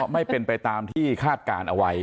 ไม่เป็นไปตามที่คาดการณ์เอาไว้